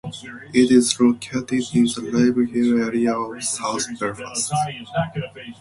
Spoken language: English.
It is located in the Ravenhill area of south Belfast.